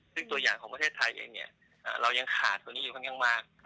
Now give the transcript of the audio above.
ซึ่งตัวอย่างของประเทศไทยเองเนี่ยเรายังขาดตัวนี้อยู่ค่อนข้างมาก